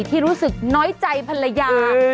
ที่รู้สึกน้อยใจภรรยา